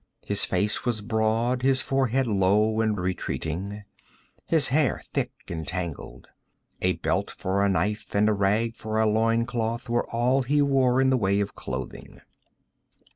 His face was broad, his forehead low and retreating, his hair thick and tangled. A belt for a knife and a rag for a loin cloth were all he wore in the way of clothing.